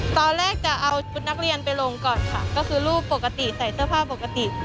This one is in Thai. ตอนแรกจะเอาชุดนักเรียนไปลงก่อนค่ะก็คือรูปปกติใส่เสื้อผ้าปกติ